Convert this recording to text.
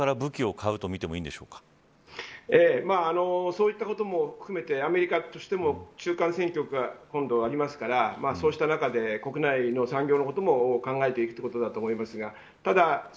この増額はアメリカから武器を買うとみてもそういったことも含めてアメリカとしても中間選挙が今度ありますからそうした中で国内の産業のことも考えてくることだと思います。